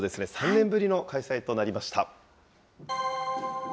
３年ぶりの開催となりました。